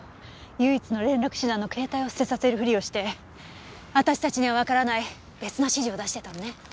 唯一の連絡手段の携帯を捨てさせるふりをして私たちにはわからない別の指示を出してたのね。